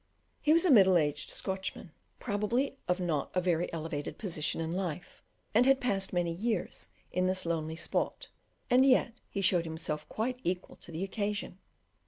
He was a middle aged Scotchman, probably of not a very elevated position in life, and had passed many years in this lonely spot, and yet he showed himself quite equal to the occasion.